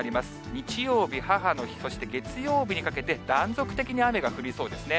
日曜日、母の日、そして月曜日にかけて、断続的に雨が降りそうですね。